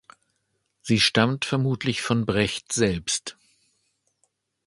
Sie stammt vermutlich von Brecht selbst.